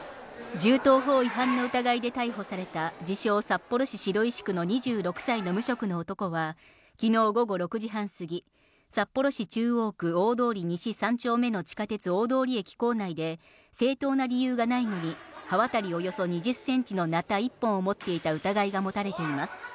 銃刀法違反の疑いで逮捕された自称・札幌市白石区の２６歳の無職の男は昨日午後６時半過ぎ、札幌市中央区大通西３丁目の地下鉄・大通駅構内で、正当な理由がないのに刃渡りおよそ２０センチのなた１本を持っていた疑いが持たれています。